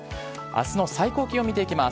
あすの最高気温見ていきます。